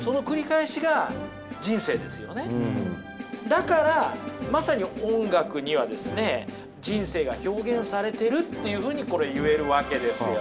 だからまさに音楽にはですね人生が表現されてるっていうふうにこれ言えるわけですよ。